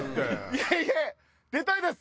いえいえ出たいです！